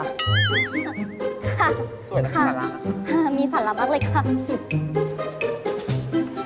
ค่ะค่ะค่ะมีสาระมากเลยค่ะสวยแล้วค่ะ